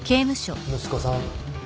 息子さん